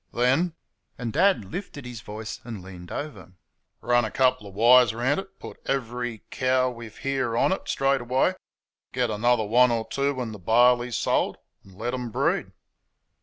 "THEN" (and Dad lifted his voice and leaned over) "run a couple of wires round it, put every cow we've here on it straight away; get another one or two when the barley's sold, and let them breed."